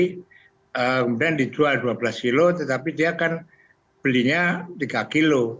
kemudian dijual dua belas kg tetapi dia kan belinya tiga kg